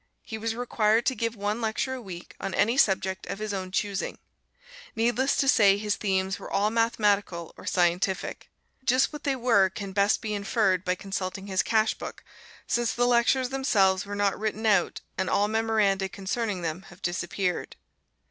He was required to give one lecture a week on any subject of his own choosing. Needless to say his themes were all mathematical or scientific. Just what they were can best be inferred by consulting his cashbook, since the lectures themselves were not written out and all memoranda concerning them have disappeared.